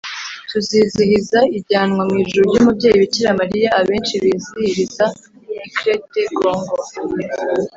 tuzizihiza ijyanwa mu ijuru ry’umubyeyi bikira mariya, abenshi bizihiriza i crête congo-